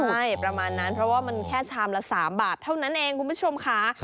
ใช่ประมาณนั้นเพราะว่ามันแค่ชามละ๓บาทเท่านั้นเองคุณผู้ชมค่ะ